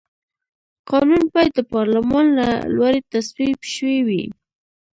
قانون باید د پارلمان له لوري تصویب شوی وي.